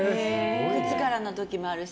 靴からのこともあるし